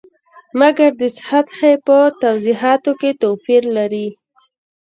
مګر د سطحې په توضیحاتو کې توپیر لري.